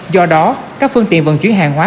do đó các phương tiện vận chuyển hàng hóa